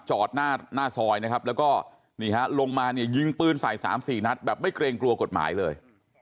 จอดหน้าซอยนะครับแล้วก็นี่ฮะลงมาเนี่ยยิงปืนใส่๓๔นัดแบบไม่เกรงกลัวกฎหมายเลย